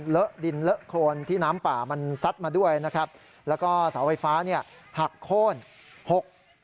เลอะดินเลอะโครนที่น้ำป่ามันซัดมาด้วยนะครับแล้วก็เสาไฟฟ้าเนี่ยหักโค้นหก